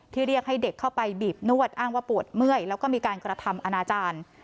เรียกให้เด็กเข้าไปบีบนวดอ้างว่าปวดเมื่อยแล้วก็มีการกระทำอนาจารย์